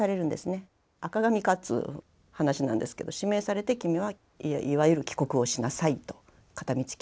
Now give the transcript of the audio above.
赤紙かっつう話なんですけど指名されて君はいわゆる帰国をしなさいと片道切符で。